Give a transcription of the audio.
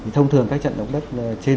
thông thường các trận động đất trên bốn